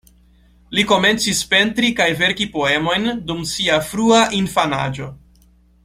Li komencis pentri kaj verki poemojn dum sia frua infanaĝo.